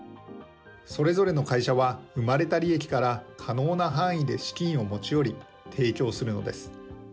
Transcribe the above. それぞれの会社は、生まれた利益から可能な範囲で資金を持ち寄り、提供するのです。